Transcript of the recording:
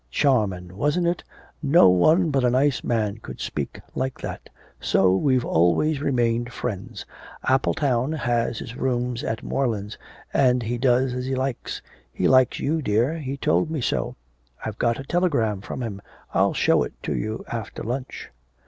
Charmin', wasn't it; no one but a nice man could speak like that. So we've always remained friends, Appletown has his rooms at Morelands, and he does as he likes. He likes you, dear, he told me so. I've got a telegram from him, I'll show it to you after lunch.'